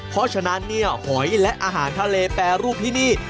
เพราะฉะนั้นเนี่ยหอยและอาหารทะเลแปรรูปที่นี่